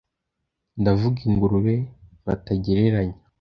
Ndavuga ingurube batagereranya